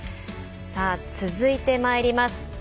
続いてまいります。